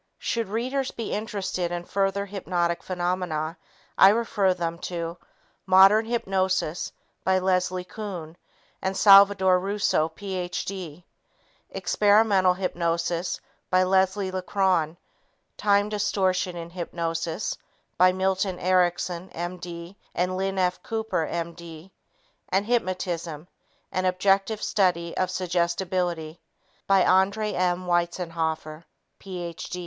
Should readers be interested in further hypnotic phenomena, I refer them to Modern Hypnosis by Leslie Kuhn and Salvadore Russo, Ph.D., Experimental Hypnosis by Leslie LeCron, Time Distortion in Hypnosis by Milton Erickson, M.D. and Lynn F. Cooper, M.D., and Hypnotism An Objective Study in Suggestibility by André M. Weitzenhoffer, Ph.